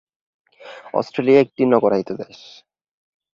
Australia একটি নগরায়িত দেশ।